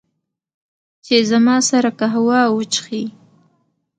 چې، زما سره قهوه وچښي